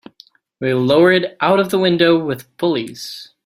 We'll lower it out of the window with pulleys.